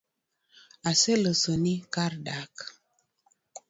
Aseloso ni kar dak